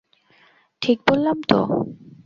ঠিক বললাম তো?